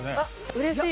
うれしい。